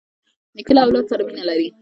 نیکه له اولاد سره مینه لري.